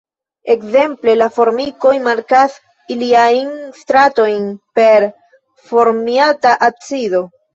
Ekzemple la formikoj markas iliajn „stratojn“ per formiata acido.